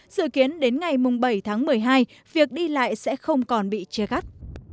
dự kiến đến ngày bảy tháng một mươi hai việc đi lại sẽ không còn bị chia cắt